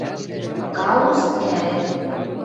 Кауз — ӓрӹк.